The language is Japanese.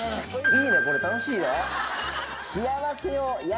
いいねこれ楽しいわ。